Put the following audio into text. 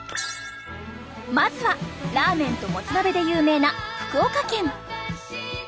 まずはラーメンともつ鍋で有名な福岡県。